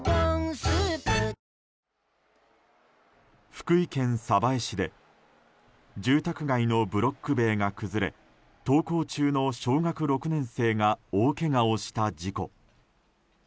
福井県鯖江市で住宅街のブロック塀が崩れ登校中の小学６年生が大けがをした事故。